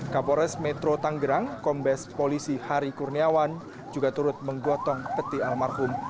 kapolres metro tanggerang kombes polisi hari kurniawan juga turut menggotong peti almarhum